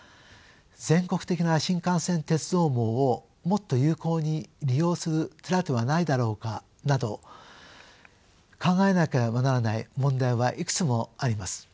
全国的な新幹線鉄道網をもっと有効に利用する手だてはないだろうかなど考えなければならない問題はいくつもあります。